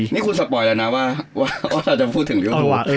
นี่คุณสปอยแล้วนะว่าเราจะพูดถึงเรื่อง